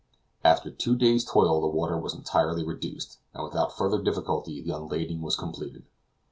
After two days' toil the water was entirely reduced, and without further difficulty the unlading was completed.